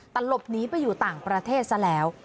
แต่หลบหนีไปอยู่ต่างประเทศซะแล้ว